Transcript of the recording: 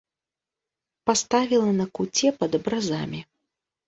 Паставіла на куце пад абразамі.